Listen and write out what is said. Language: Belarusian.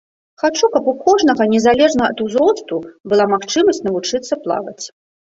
Хачу, каб у кожнага незалежна ад узросту была магчымасць навучыцца плаваць!